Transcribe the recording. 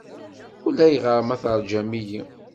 Ulayɣer ma teṛjam-iyi.